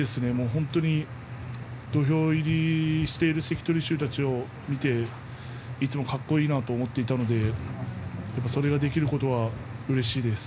本当に土俵入りしている関取衆たちを見ていつもかっこいいなと思っていたのでそれができることはうれしいです。